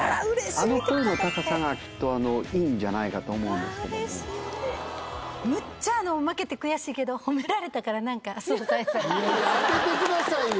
あの声の高さがきっといいんじゃないかと思うんですけどもムッチャあの負けて悔しいけどほめられたからなんか相殺された当ててくださいよ